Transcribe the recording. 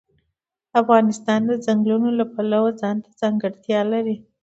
افغانستان د ځنګلونو د پلوه ځانته ځانګړتیا لري.